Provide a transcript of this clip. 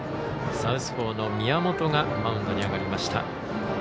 サウスポーの宮本がマウンドに上がりました。